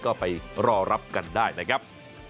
ก็ไปรอรับกันได้นะครับ